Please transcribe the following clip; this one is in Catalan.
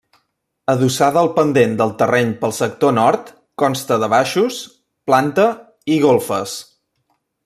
Adossada al pendent del terreny pel sector Nord, consta de baixos, planta i golfes.